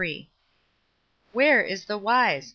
«* Where is the wise